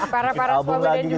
para para suami dan juga